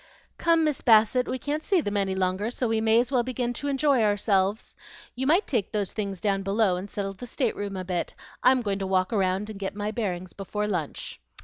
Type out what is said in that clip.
"Come, Miss Bassett, we can't see them any longer, so we may as well begin to enjoy ourselves. You might take those things down below, and settle the stateroom a bit; I'm going to walk about and get my bearings before lunch.